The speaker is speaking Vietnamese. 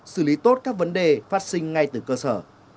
xử lý tốt các vấn đề phát sinh ngay từ cơ sở